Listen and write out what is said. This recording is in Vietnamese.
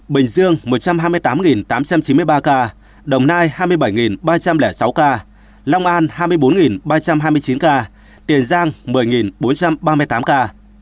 bình dương một trăm hai mươi tám tám trăm chín mươi ba ca đồng nai hai mươi bảy ba trăm linh sáu ca long an hai mươi bốn ba trăm hai mươi chín ca tiền giang một mươi bốn trăm ba mươi tám ca